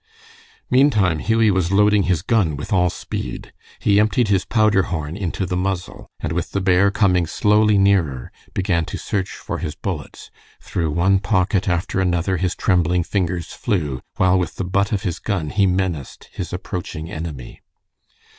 Meantime, Hughie was loading his gun with all speed. He emptied his powder horn into the muzzle, and with the bear coming slowly nearer, began to search for his bullets. Through one pocket after another his trembling fingers flew, while with the butt of his gun he menaced his approaching enemy.